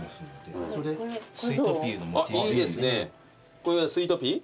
これはスイートピー？